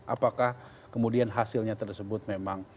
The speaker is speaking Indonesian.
apakah kemudian hasilnya tersebut memang